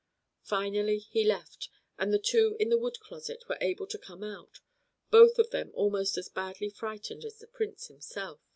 Finally he left, and the two in the wood closet were able to come out, both of them almost as badly frightened as the Prince himself.